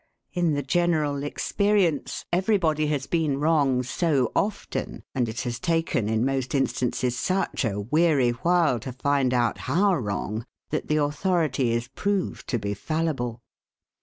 In the general experience, everybody has been wrong so often, and it has taken in most instances such a weary while to find out how wrong, that the authority is proved to be fallible.